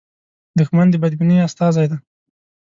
دښمن د بدبینۍ استازی دی